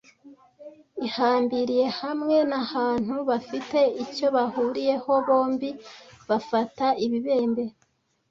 ihambiriye hamwe nabantu bafite icyo bahuriyeho Bombi bafata Ibibembe